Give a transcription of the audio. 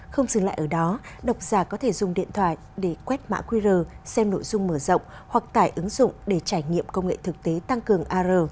không dừng lại ở đó độc giả có thể dùng điện thoại để quét mã qr xem nội dung mở rộng hoặc tải ứng dụng để trải nghiệm công nghệ thực tế tăng cường ar